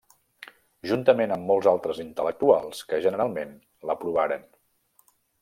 Juntament amb molts altres intel·lectuals que generalment l'aprovaren.